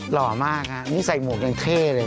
หล่อมากฮะนี่ใส่หมวกยังเท่เลย